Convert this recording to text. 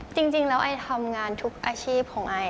จริงแล้วไอทำงานทุกอาชีพของไอ